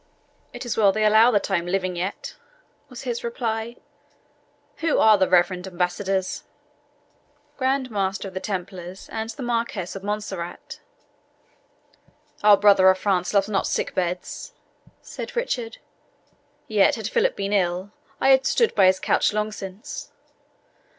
"It is well they allow that I am living yet," was his reply. "Who are the reverend ambassadors?" "The Grand Master of the Templars and the Marquis of Montserrat." "Our brother of France loves not sick beds," said Richard; "yet, had Philip been ill, I had stood by his couch long since.